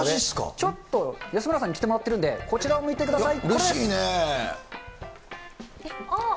ちょっと安村さんに着てもらってるんで、こちらを見てください。